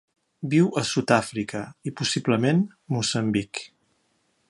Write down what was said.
Viu a Sud-àfrica i, possiblement, Moçambic.